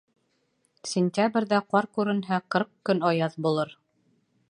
Сентябрҙә ҡар күренһә, ҡырҡ көн аяҙ булыр.